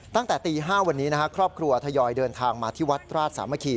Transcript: ตั้งแต่ตี๕วันนี้ครอบครัวทยอยเดินทางมาที่วัดราชสามัคคี